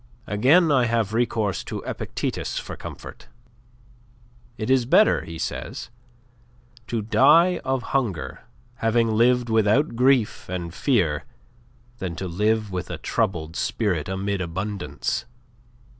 Again I have recourse to Epictetus for comfort. 'It is better,' he says, 'to die of hunger having lived without grief and fear, than to live with a troubled spirit amid abundance.